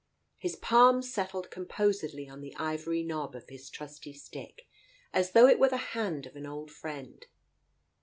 His palm settled composedly on the ivory knob of his trusty stick, as though it were the hand of an old friend.